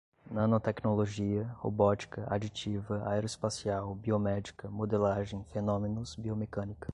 Nanotecnologia, robótica, aditiva, aeroespacial, biomédica, modelagem, fenômenos, biomecânica